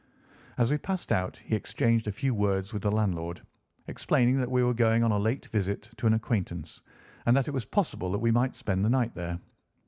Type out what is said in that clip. As we passed out he exchanged a few words with the landlord, explaining that we were going on a late visit to an acquaintance, and that it was possible that we might spend the night there.